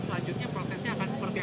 selanjutnya prosesnya akan seperti apa